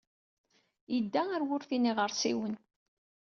Yedda ɣer wurti n yiɣersiwen.